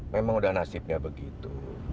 memang udah nasibnya begitu